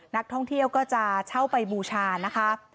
นักท่องเที่ยวก็จะเช่าไปบูชานะคะ